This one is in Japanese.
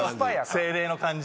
精霊の感じ。